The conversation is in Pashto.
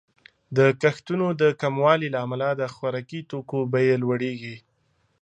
د کښتونو د کموالي له امله د خوراکي توکو بیې لوړیږي.